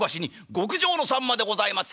極上のさんまでございます」。